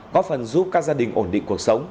góp phần giúp các gia đình ổn định cuộc sống